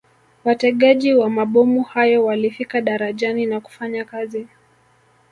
Wategaji wa mabomu hayo walifika darajani na kufanya kazi